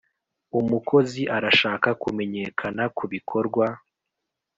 umukozi arashaka kumenyekana kubikorwa